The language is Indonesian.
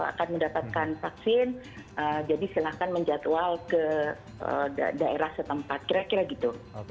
oke jadi berdasarkan prioritas ya vaksinasi yang dilakukan